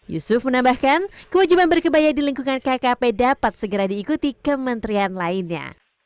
yusuf menambahkan kewajiban berkebaya di lingkungan kkp dapat segera diikuti kementerian lainnya